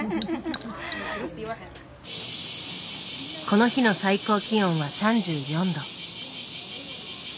この日の最高気温は３４度。